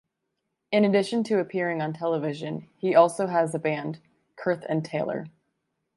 In addition to appearing on television, he also has a band, "Kurth and Taylor".